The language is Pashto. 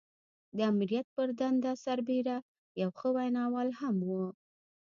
د آمريت پر دنده سربېره يو ښه ويناوال هم و.